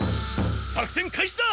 作戦開始だ！